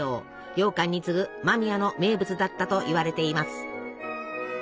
ようかんに次ぐ間宮の名物だったといわれています。